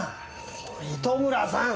糸村さん